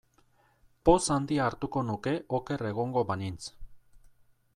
Poz handia hartuko nuke oker egongo banintz.